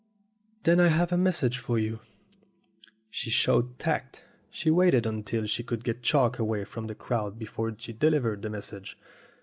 "Then I have a message for you." She showed tact. She waited until she could get Chalk away from the crowd before she delivered her message.